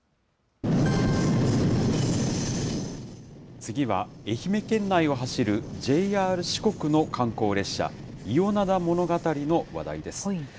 次は愛媛県内を走るＪＲ四国の観光列車、伊予灘ものがたりの話題です。